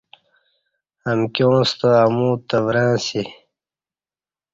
امکیاں ستہ امو تورں اسی